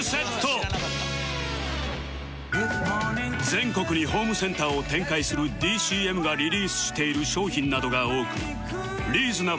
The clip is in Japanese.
全国にホームセンターを展開する ＤＣＭ がリリースしている商品などが多くリーズナブルでレジャー初心者でも